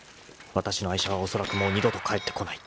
［わたしの愛車はおそらくもう二度と返ってこない］